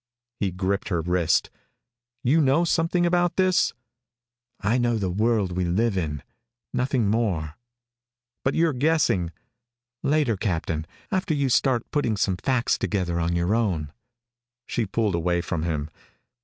He gripped her wrist. "You know something about this?" "I know the world we live in nothing more." "But you're guessing " "Later, Captain, after you start putting some facts together on your own." She pulled away from him.